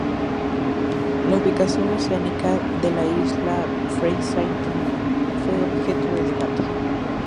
La ubicación oceánica de la isla Freycinet fue objeto de debate.